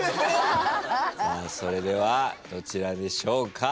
それではどちらでしょうか。